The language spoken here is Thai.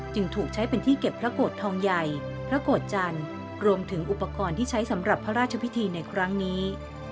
จึงถูกใช้เป็นที่เก็บพระโกรธทองใหญ่พระโกรธจันทร์รวมถึงอุปกรณ์ที่ใช้สำหรับพระราชพิธีในครั้งนี้